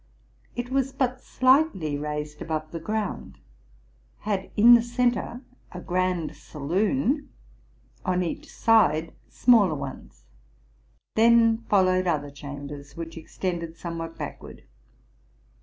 It was but slightly raised above the ground ; had in the centre a grand saloon, on each side smaller ones ; then followed other chambers, which extended somewhat backward.